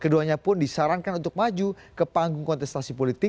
keduanya pun disarankan untuk maju ke panggung kontestasi politik